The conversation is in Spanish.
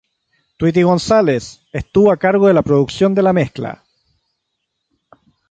Tweety González estuvo a cargo de la producción de la mezcla.